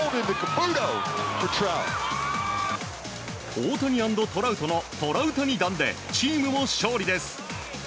大谷＆トラウトのトラウタニ弾でチームも勝利です。